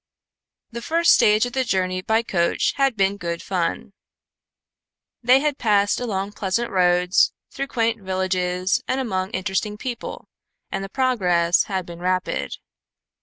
The first stage of the journey by coach had been good fun. They had passed along pleasant roads, through quaint villages and among interesting people, and progress had been rapid.